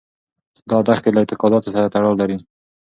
دا دښتې له اعتقاداتو سره تړاو لري.